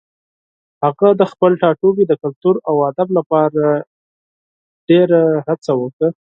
هغه د خپل ټاټوبي د کلتور او ادب لپاره ډېره هڅه وکړه.